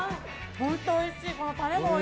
本当おいしい